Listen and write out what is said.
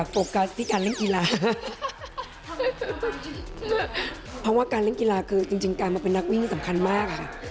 เพราะว่าการเล่นกีฬาคือจริงการมาเป็นนักวิ่งสำคัญมากค่ะ